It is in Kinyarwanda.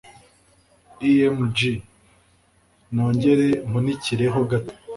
Img nongere mpunikire ho gato